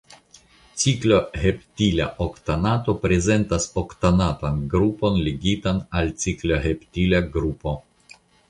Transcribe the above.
Cikloheptila oktanato prezentas oktanatan grupon ligitan al cikloheptila grupo.